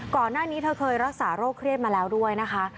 ก่อนหน้านี้เธอเคยรักษาโรคเครียดมาแล้วด้วยนะคะ